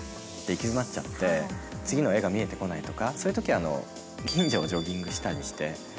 行き詰まっちゃって、次の絵が見えてこないとか、そういうときは近所をジョギングしたりして。